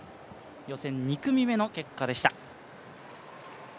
予選２組目の結果でした。